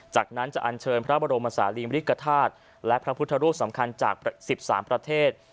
จากนั้นจะอันเชิญพระบรมศาลีมริกฐาตุและพระพุทธรูปสำคัญจาก๑๓ประเทศ